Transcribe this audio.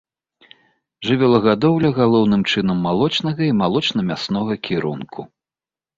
Жывёлагадоўля галоўным чынам малочнага і малочна-мяснога кірунку.